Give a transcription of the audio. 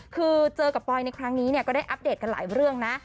คือเจอกับปอยในครั้งนี้ก็ได้อัปเดตกันหลายเรื่องนะ